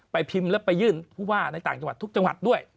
พิมพ์แล้วไปยื่นผู้ว่าในต่างจังหวัดทุกจังหวัดด้วย